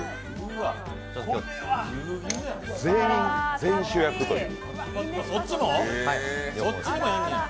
全員主役という。